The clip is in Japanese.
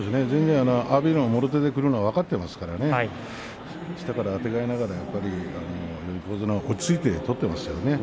阿炎がもろ手でくることは分かっていますから下からあてがいながら横綱は落ち着いて取っていますよね。